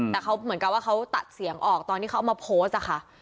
แต่เขาเหมือนกับว่าเขาตัดเสียงออกตอนที่เขาเอามาโพสต์อะค่ะ